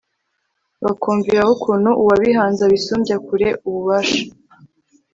bakumviraho ukuntu uwabihanze abisumbya kure ububasha